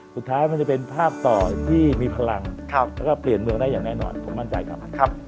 มันจะเป็นภาพต่อที่มีพลังแล้วก็เปลี่ยนเมืองได้อย่างแน่นอนผมมั่นใจครับ